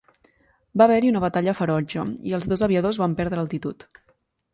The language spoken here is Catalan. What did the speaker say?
Va haver-hi una batalla ferotge, i els dos aviadors van perdre altitud.